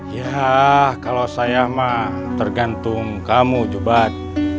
ya kalau saya mah tergantung kamu jebat